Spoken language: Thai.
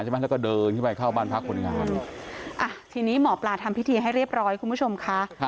แล้วก็เดินขึ้นไปเข้าบ้านพักคนงานอ่ะทีนี้หมอปลาทำพิธีให้เรียบร้อยคุณผู้ชมค่ะ